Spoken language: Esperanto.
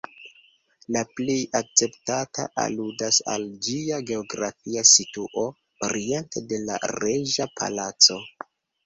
La plej akceptata aludas al ĝia geografia situo, oriente de la Reĝa Palaco.